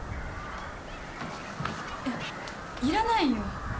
いやいらないよ。